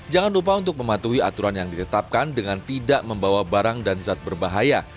jangan lupa untuk mematuhi aturan yang ditetapkan dengan tidak membawa barang dan zat berbahaya